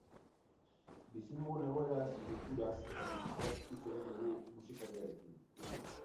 Bizi dugun egoeraz, kulturaz eta bizitzaz hitz egin dugu musikariarekin.